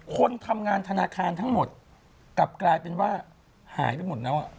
คนทำงานธนาคารทั้งหมดกลับกลายเป็นว่าหายไปหมดแล้ว